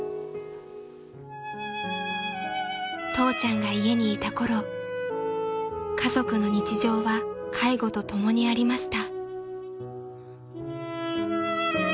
［父ちゃんが家にいた頃家族の日常は介護と共にありました］